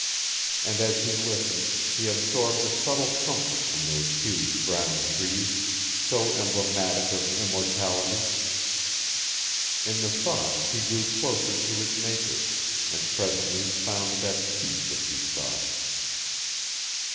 And as he listened, he absorbed a subtle comfort from those huge brown trees, so emblematic of immortality; in the thought he grew closer to his Maker, and presently found that peace which he sought.